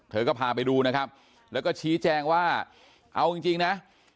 เธอก็พาไปดูนะครับแล้วก็ชี้แจงว่าเอาจริงนะ